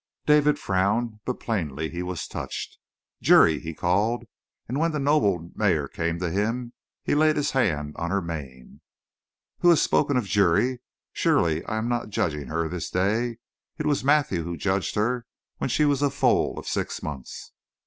'" David frowned, but plainly he was touched. "Juri!" he called, and when the noble mare came to him, he laid his hand on her mane. "Who has spoken of Juri? Surely I am not judging her this day. It was Matthew who judged her when she was a foal of six months."